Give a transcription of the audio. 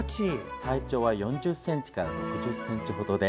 体長は４０ｃｍから６０ｃｍほど。